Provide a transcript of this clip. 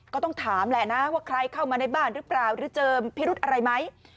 ก็ต้องถามแหละนะว่าใครเข้ามาในบ้านหรือเปล่าหรือเจอพิรุธอะไรไหม